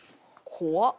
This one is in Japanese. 怖っ！